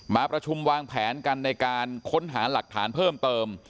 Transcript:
มาประชุมวางแผนกันในการค้นหาหลักฐานเพิ่มเติม